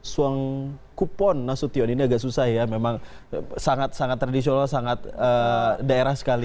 suang kupon nasution ini agak susah ya memang sangat sangat tradisional sangat daerah sekali